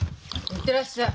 行ってらっしゃい。